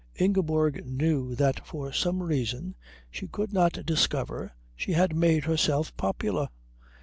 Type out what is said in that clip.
Ingeborg knew that for some reason she could not discover she had made herself popular.